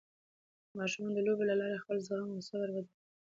ماشومان د لوبو له لارې خپل زغم او صبر وده کوي.